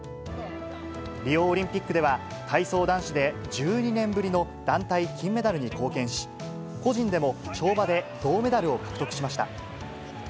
リオオリンピックでは、体操男子で１２年ぶりの団体金メダルに貢献し、個人でも跳馬で銅メダルを獲得しました。